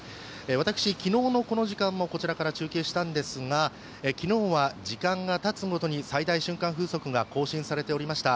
私、昨日のこの時間もこちらから中継したんですが昨日は時間がたつごとに、最大瞬間風速が更新されておりました。